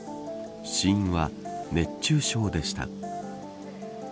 死因は熱中症でした。